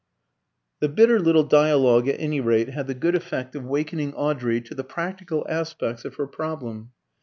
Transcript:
The bitter little dialogue, at any rate, had the good effect of wakening Audrey to the practical aspects of her problem.